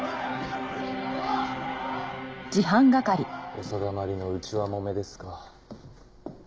お定まりの内輪もめですか。